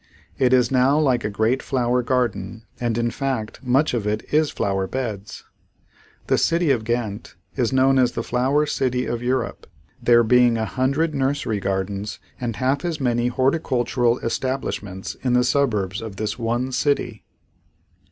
It is now like a great flower garden and in fact much of it is flower beds. The city of Ghent is known as the flower city of Europe, there being a hundred nursery gardens and half as many horticultural establishments in the suburbs of this one city.